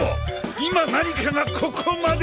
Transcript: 今何かがここまで。